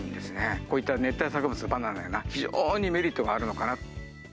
こういった熱帯植物のバナナなどが非常にメリットがあるのかなと。